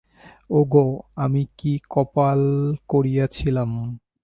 ওগো, আমি কী কপাল করিয়াছিলাম।